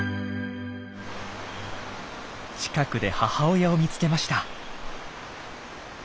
近くで母親を見つけました。